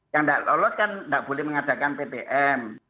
yang nggak lolos kan nggak boleh mengadakan ptm